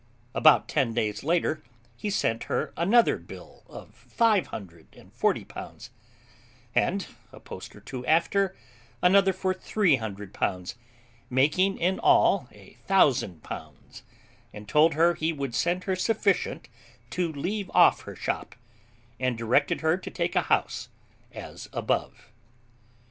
About ten days after, he sent her another bill of five hundred and forty pounds; and a post or two after, another for three hundred pounds, making in all a thousand pounds; and told her he would send her sufficient to leave off her shop, and directed her to take a house as above.